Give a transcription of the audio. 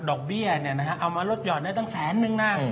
ดอกเบี้ยนี่นะครับเอามาลดหยอดได้ตั้งแสนนึงนะ